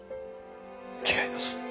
違います。